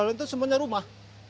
itu semuanya rumah